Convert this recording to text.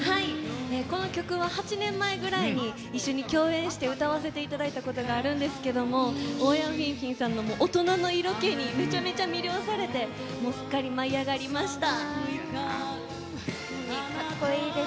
この曲は８年前ぐらいに一緒に共演して歌わせていただいたことがあるんですが欧陽菲菲さんの大人の色気に魅了されてすっかり舞い上がりました。